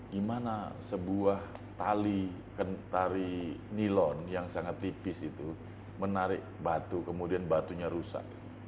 gimana sebuah tali nilon yang sangat tipis itu menarik batu kemudian batunya rusak